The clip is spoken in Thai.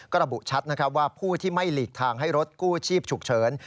ก็ระบุชัดนะครับว่าผู้ที่ไม่หลีกทางให้รถกู้ชีพฉุกเฉิน